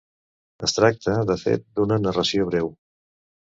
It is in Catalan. Es tracta, de fet, d'una narració breu.